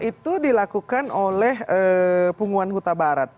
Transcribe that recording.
itu dilakukan oleh punguan huta barat